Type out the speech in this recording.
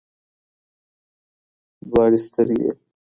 دواړي سترګي یې